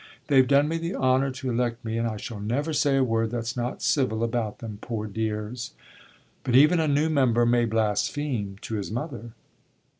They've done me the honour to elect me and I shall never say a word that's not civil about them, poor dears. But even a new member may blaspheme to his mother."